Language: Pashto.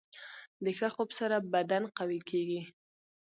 د ښه خوب سره بدن قوي کېږي.